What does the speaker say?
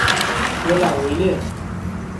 格朗维列。